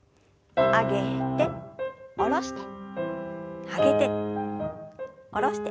上げて下ろして上げて下ろして。